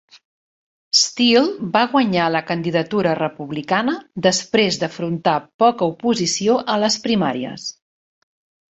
Steele va guanyar la candidatura republicana després d'afrontar poca oposició a les primàries.